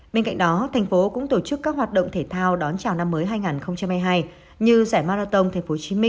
bên cạnh đó thành phố cũng tổ chức các hoạt động thể thao đón chào năm mới hai nghìn hai mươi hai như giải marathon tp hcm